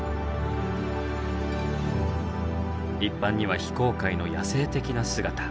一般には非公開の野性的な姿。